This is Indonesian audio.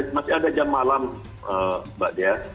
jadi ada jam malam mbak dea